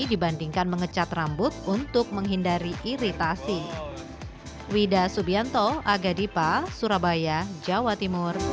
dibandingkan mengecat rambut untuk menghindari iritasi